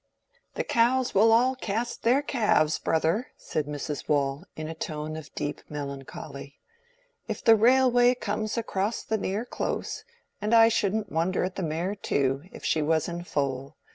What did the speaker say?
"The cows will all cast their calves, brother," said Mrs. Waule, in a tone of deep melancholy, "if the railway comes across the Near Close; and I shouldn't wonder at the mare too, if she was in foal.